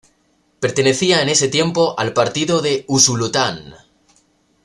Pertenecía en ese tiempo al partido de Usulután.